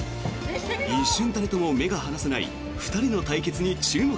一瞬たりとも目が離せない２人の対決に注目。